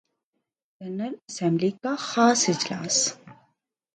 general assembly کا خاص اجلاس